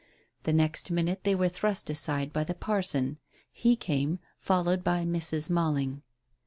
The next minute they were thrust aside by the parson. He came, followed by Mrs. Malling.